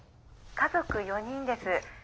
家族４人です。